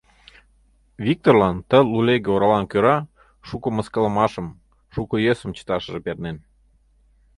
Викторлан ты лулеге оралан кӧра шуко мыскылымашым, шуко йӧсым чыташыже пернен.